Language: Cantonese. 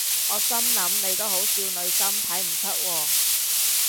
我心諗你都好少女心睇唔出喎